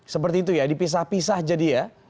seperti itu ya dipisah pisah jadi ya